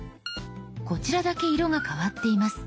こちらだけ色が変わっています。